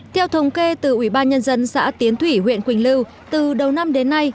theo thống kê từ ubnd xã tiến thủy huyện quỳnh lưu từ đầu năm đến nay